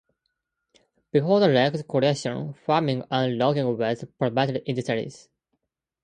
Before the lake's creation, farming and logging were the primary industries.